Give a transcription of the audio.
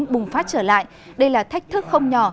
bùng phát trở lại đây là thách thức không nhỏ